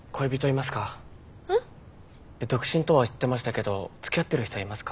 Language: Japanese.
独身とは言ってましたけど付き合ってる人はいますか？